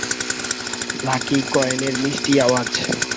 Lucky কয়েনের মিষ্টি আওয়াজ।